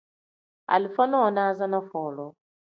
Alifa nonaza ni folu.